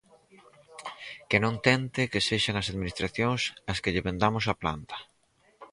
Que non tente que sexan as Administracións as que lle vendamos a planta.